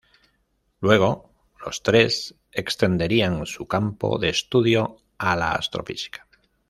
Luego, los tres extenderían su campo de estudio a la astrofísica.